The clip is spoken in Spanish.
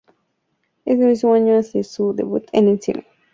Ese mismo año hace su debut en el cine.